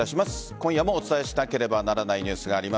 今夜もお伝えしなければならないニュースがあります。